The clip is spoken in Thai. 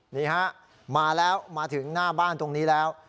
นี่ฮะมาแล้วมาถึงหน้าบ้านตรงนี้แล้ว